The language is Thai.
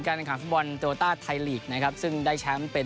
การแข่งข่าฟบอนโตต้าไทลีคนะครับซึ่งได้แชมเป็น